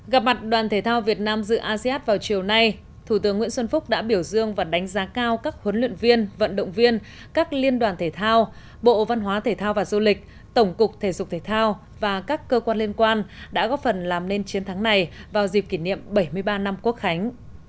gặp mặt đoàn thể thao việt nam dự asean vào chiều nay thủ tướng nguyễn xuân phúc đã biểu dương và đánh giá cao các huấn luyện viên vận động viên các liên đoàn thể thao bộ văn hóa thể thao và du lịch tổng cục thể dục thể thao và các cơ quan liên quan đã góp phần làm nên chiến thắng này vào dịp kỷ niệm bảy mươi ba năm quốc khánh